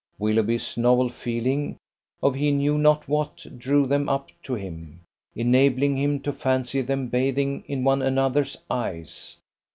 Willoughby's novel feeling of he knew not what drew them up to him, enabling him to fancy them bathing in one another's eyes.